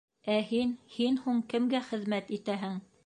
Ә һин, һин һуң кемгә хеҙмәт итәһең?